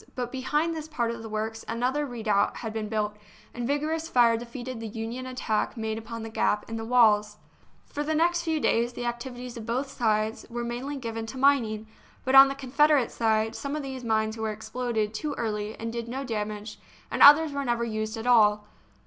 But behind this part of the works another redoubt had been built, and vigorous fire defeated the Union attack made upon the gap in the walls. For the next few days the activities of both sides were mainly given to mining, but on the Confeder ate side some of these mines were exploded too THE SIEGE OF VICKSBURG early and did no damage, and others were never used at all.